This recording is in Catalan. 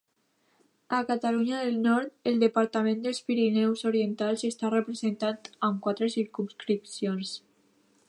A la Catalunya del Nord, el Departament dels Pirineus Orientals està representat amb quatre circumscripcions.